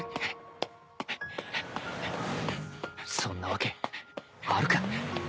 そんなわけあるか